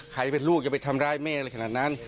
ใครเป็นลูกอย่าไปทำร้ายแม่อะไรขนาดนั้น